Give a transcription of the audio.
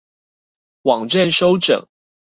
網站收整